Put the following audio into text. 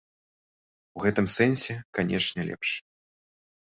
У гэтым сэнсе, канечне, лепш.